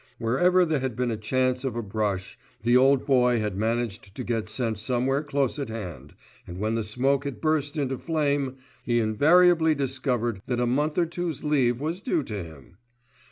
Wherever there had been a chance of a brush, the old boy had managed to get sent somewhere close at hand, and when the smoke had burst into flame, he invariably discovered that a month or two's leave was due to him.